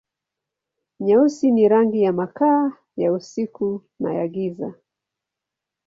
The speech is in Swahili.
Nyeusi ni rangi na makaa, ya usiku na ya giza.